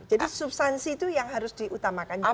jadi substansi itu yang harus diutamakan juga